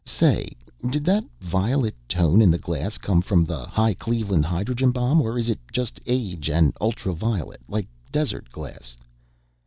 "Say, did that violet tone in the glass come from the high Cleveland hydrogen bomb or is it just age and ultraviolet, like desert glass?"